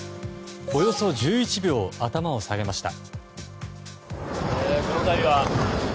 およそ１１秒、頭を下げました。